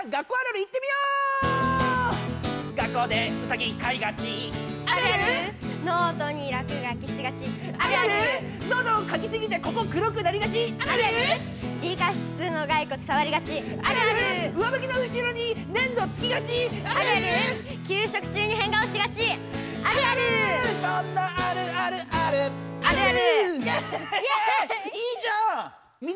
いいじゃん！